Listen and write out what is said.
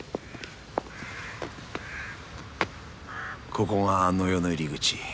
ここがあの世の入り口。